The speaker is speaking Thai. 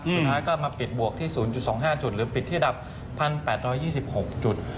สุดท้ายก็มาปิดบวกที่๐๒๕จุดหรือปิดที่ระดับ๑๘๒๖จุด